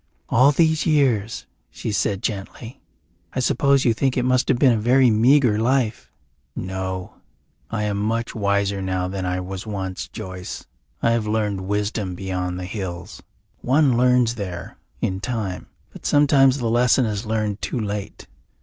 "All these years," she said gently, "I suppose you think it must have been a very meagre life?" "No. I am much wiser now than I was once, Joyce. I have learned wisdom beyond the hills. One learns there in time but sometimes the lesson is learned too late.